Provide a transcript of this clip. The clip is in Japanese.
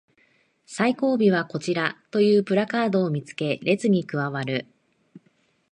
最後尾はこちらというプラカードを見つけ列に加わる